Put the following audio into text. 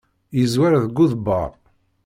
Yeẓwer deg uḍebber.